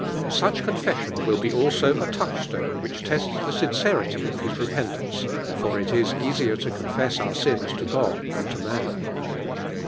Such confession will lit 1 also a touch stone which tests the sincer ity of his repentance, for it is easier to confess our sins to God than to man.